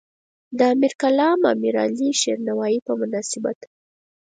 د امیرالکلام امیرعلی شیرنوایی په مناسبت.